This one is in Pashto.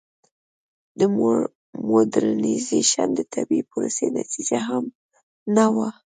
د موډرنیزېشن د طبیعي پروسې نتیجه هم نه وه.